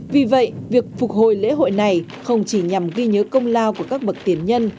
vì vậy việc phục hồi lễ hội này không chỉ nhằm ghi nhớ công lao của các bậc tiền nhân